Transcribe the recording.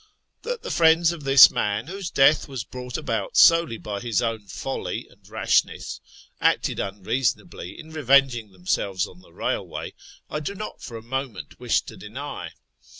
That the friends of this man, whose death was brought about solely by his own folly and rashness, acted unreasonably in revenging themselves on the railway I do not for a moment wish to deny.